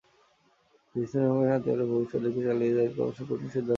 ফিলিস্তিনের সঙ্গে শান্তি আলোচনার ভবিষ্যৎ দেখতে চাইলে ইসরায়েলকে অবশ্যই কঠিন সিদ্ধান্ত নিতে হবে।